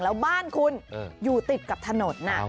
แล้วบ้านคุณอยู่ติดกับถนน